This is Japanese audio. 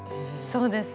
そうです。